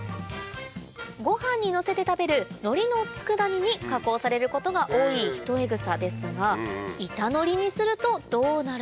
ご飯にのせて食べるのりのつくだ煮に加工されることが多いヒトエグサですが板のりにするとどうなるのか？